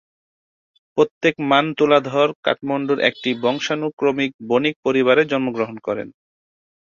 প্রত্যেক মান তুলাধর কাঠমান্ডুর একটি বংশানুক্রমিক বণিক পরিবারে জন্মগ্রহণ করেন।